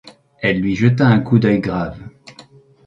Elle lui jeta un coup d’œil grave.